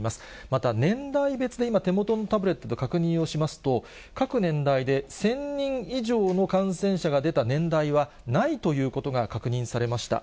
また年代別で今、手元のタブレットで確認をしますと、各年代で１０００人以上の感染者が出た年代は、ないということが確認されました。